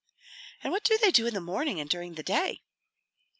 "And what do they do in the morning and during the day?"